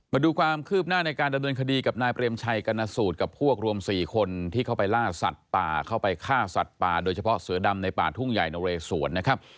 มาดูความคืบหน้าในการดำเนินคดีกับนายเปรมชัยกรณสูตรกับพวกรวม๔คนที่เข้าไปล่าสัตว์ป่าเข้าไปฆ่าสัตว์ป่าโดยเฉพาะเสือดำในป่าทุ่งใหญ่นเรสวนนะครับ